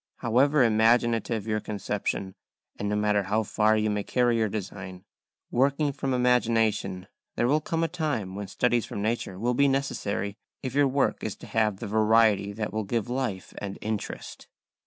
However imaginative your conception, and no matter how far you may carry your design, working from imagination, there will come a time when studies from nature will be necessary if your work is to have the variety that will give life and interest.